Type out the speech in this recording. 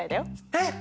えっ！